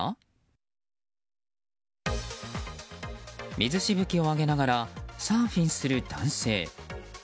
水しぶきを上げながらサーフィンする男性。